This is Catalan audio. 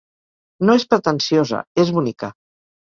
No és pretensiosa, és bonica.